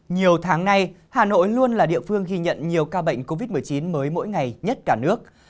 nhiều tháng nay hà nội luôn là địa phương ghi nhận nhiều ca bệnh covid một mươi chín mới mỗi ngày nhất cả nước